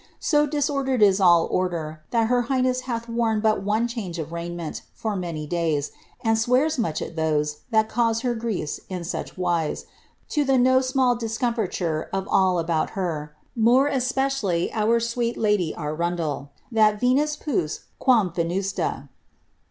So disordere order, that her highness hath worn but one change of raiment ft days, and swears much at those thai cause her griefs in such the no small discomliture of all about her, more especially ou lady Arundel, thai Vcmis pus quam venusla."